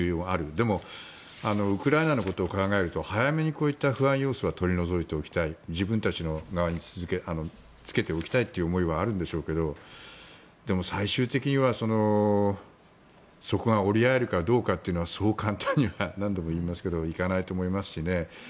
でもウクライナのことを考えると早めに不安要素は取り除いておきたい自分たちの側につけておきたいという思いはあるんでしょうけどでも最終的にはそこが折り合えるかどうかはそう簡単にはいかないと思いますしね。